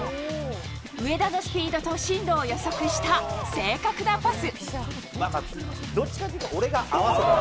上田のスピードと進路を予測した正確なパス。